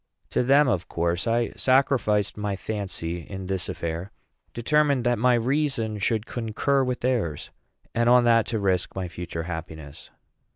To them, of course, I sacrificed my fancy in this affair, determined that my reason should concur with theirs, and on that to risk my future happiness.